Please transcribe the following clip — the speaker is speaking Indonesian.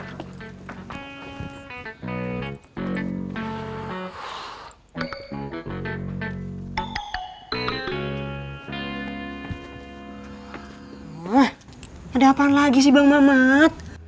wah ada apaan lagi sih bang mamat